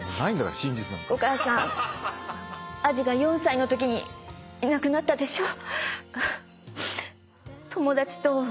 お母さん彩珠が４歳のときにいなくなったでしょ。